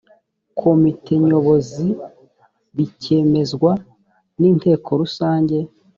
komite nyobozibikemezwa n inteko rusange